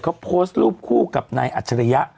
เขาโพสต์รูปคู่กับนายอัจฉริยะ